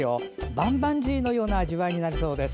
バンバンジーのような味わいになるそうです。